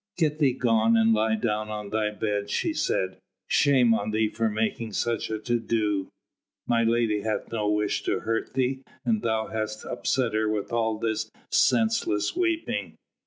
"Get thee gone and lie down on thy bed," she said; "shame on thee for making such a to do. My lady had no wish to hurt thee, and thou hast upset her with all this senseless weeping.